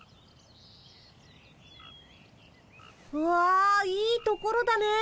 わあいいところだねえ。